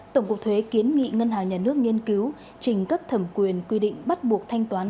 tổng cục thuế kiến nghị ngân hàng nhà nước nghiên cứu trình cấp thẩm quyền quy định bắt buộc thanh toán